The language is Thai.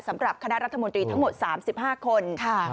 สำหรับคณะรัฐมนตรีทั้งหมด๓๕คน